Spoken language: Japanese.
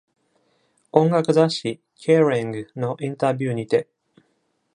音楽雑誌 Kerrang のインタビューにて！